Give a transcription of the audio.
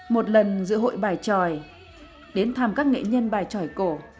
một lần giữa hội bài tròi đến thăm các nghệ nhân bài tròi cổ